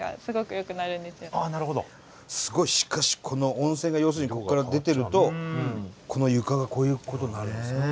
しかしこの温泉が要するにここから出てるとこの床がこういうことになるんですね。